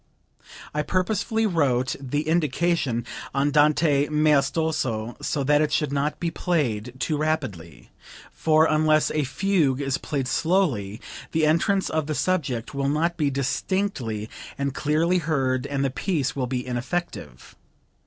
I purposely wrote the indication 'Andante maestoso,' so that it should not be played too rapidly; for unless a fugue is played slowly the entrance of the subject will not be distinctly and clearly heard and the piece will be ineffective.